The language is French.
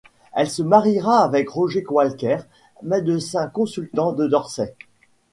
Elle se mariera avec Roger Walker, médecin consultant de Dorset.